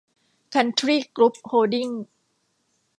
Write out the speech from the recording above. คันทรี่ กรุ๊ป โฮลดิ้งส์